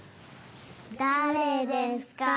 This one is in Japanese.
だれですか？